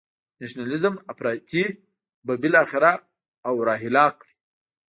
نشنلیزم افراطی به بالاخره او را هلاک کړي.